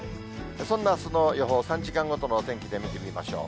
そんなあすの予報、３時間ごとのお天気で見てみましょう。